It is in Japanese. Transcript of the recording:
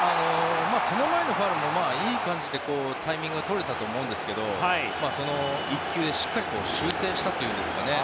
その前のファウルもいい感じでタイミングが取れていたと思うんですがその１球でしっかり修正したというんですかね